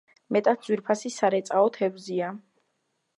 მეტად ძვირფასი სარეწაო თევზია.